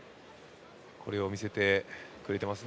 これを見せてくれています。